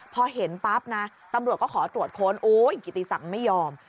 พอเห็นปั๊บนะตำรวจก็ขอตรวจค้นโอ้ยกิติศักดิ์ไม่ยอม